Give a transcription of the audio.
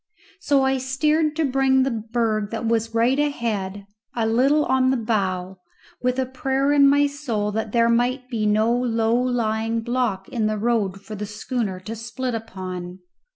So I steered to bring the berg that was right ahead a little on the bow, with a prayer in my soul that there might be no low lying block in the road for the schooner to split upon.